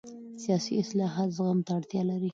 سیاسي اصلاحات زغم ته اړتیا لري